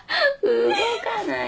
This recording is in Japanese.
動かない。